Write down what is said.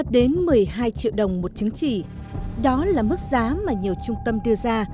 đến một mươi hai triệu đồng một chứng chỉ đó là mức giá mà nhiều trung tâm đưa ra